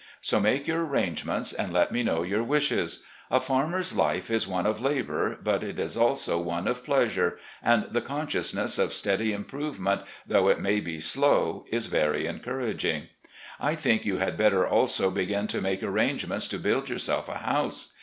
So make yotir arrangements, and let me know your wishes. A farmer's life is one of labour, but it is also one of pleasure, and the conscious ness of steady improvement, though it may be slow, is very encouraging. I t hink you had better also begin to make arrangements to build yourself a house.